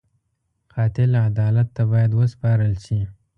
قاتل عدالت ته باید وسپارل شي